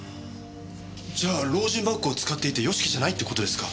じゃあロージンバッグを使っていた義樹じゃないって事ですか？